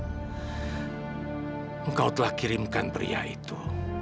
allah kau telah kirimkan pria itu